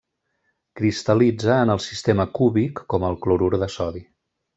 Cristal·litza en el sistema cúbic com el clorur de sodi.